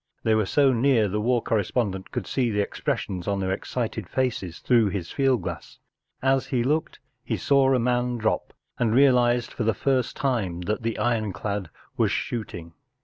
They were so near the war correspondent could see the expression of their excited faces through his field glass. As he . looked he saw a man drop, and realized for the first time that the ironclad was shooting.